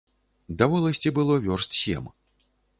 Да воласці было вёрст сем.